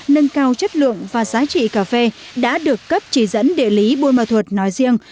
nâng cao chất lượng và giá trị cà phê đã được cấp chỉ dẫn địa lý buôn ma thuật nói riêng